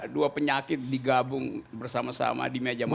dua penyakit digabung bersama sama di meja makan